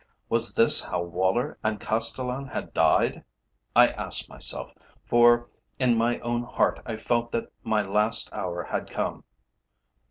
Was this how Woller and Castellan had died? I asked myself, for in my own heart I felt that my last hour had come.